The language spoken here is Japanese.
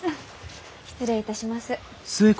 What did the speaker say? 失礼いたします。